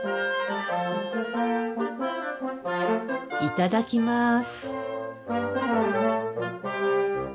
いただきます。